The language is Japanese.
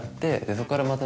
そこからまた。